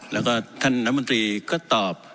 แล้วก็ท่านน้ำมนตรีก็ตอบ